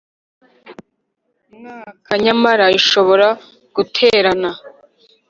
Mwaka nyamara ishobora guterana